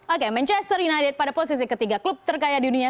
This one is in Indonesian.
oke manchester united pada posisi ketiga klub terkaya di dunia